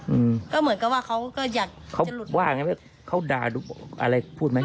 อืมก็เหมือนกับว่าเขาก็อยากเขาจะหลุดว่าไงว่าเขาด่าดูอะไรพูดไหม